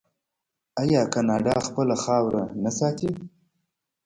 آیا کاناډا خپله خاوره نه ساتي؟